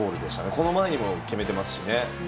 この前にも決めていますし。